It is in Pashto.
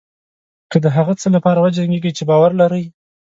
که د هغه څه لپاره وجنګېږئ چې باور لرئ.